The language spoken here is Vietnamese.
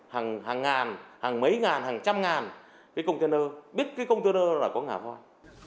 hàng ngàn hàng mấy ngàn hàng trăm ngàn cái container biết cái container đó là có ngả vòi